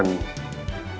ternyata dari pihak aldebaran